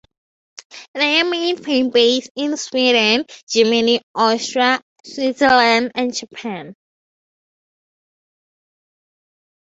Their main fan base is in Sweden, Germany, Austria, Switzerland and Japan.